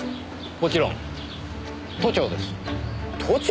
もちろん都庁です。